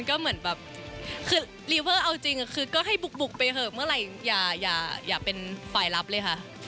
คือลีเวอร์เอาจริงก็ให้บุกไปเถอะเมื่อไหร่อย่าเป็นฝ่ายรับเลยค่ะ